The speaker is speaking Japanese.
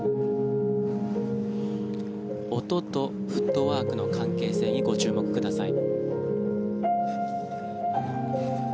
音とフットワークの関係性にご注目ください。